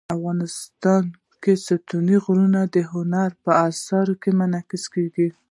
افغانستان کې ستوني غرونه د هنر په اثار کې منعکس کېږي.